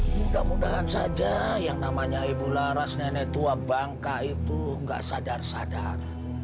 mudah mudahan saja yang namanya ibu laras nenek tua bangka itu nggak sadar sadar